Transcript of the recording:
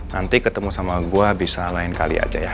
nanti ketemu sama gue bisa lain kali aja ya